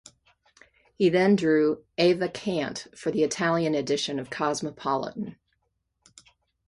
He then drew "Eva Kant" for the Italian edition of "Cosmopolitan".